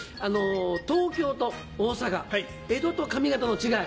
東京と大阪江戸と上方の違い